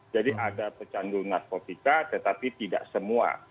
jadi ada pecandu narkotika tetapi tidak semua